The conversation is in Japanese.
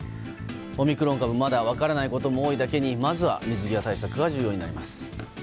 オミクロン株まだ分からないことも多いだけにまずは水際対策が重要になります。